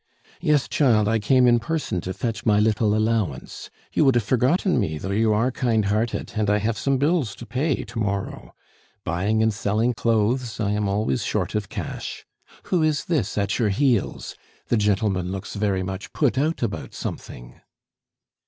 "Yes, child, I came in person to fetch my little allowance. You would have forgotten me, though you are kind hearted, and I have some bills to pay to morrow. Buying and selling clothes, I am always short of cash. Who is this at your heels? The gentleman looks very much put out about something."